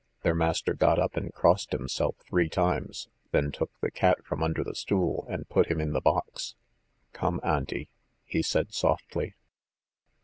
Their master got up and crossed himself three times, then took the cat from under the stool and put him in the box. "Come, Auntie," he said softly.